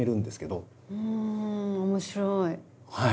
うん面白い。